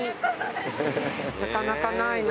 なかなかないな。